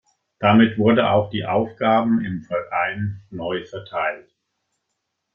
Damit wurde auch die Aufgaben im Verein neu verteilt.